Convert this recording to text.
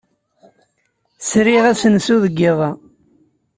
Sriɣ asensu deg yiḍ-a.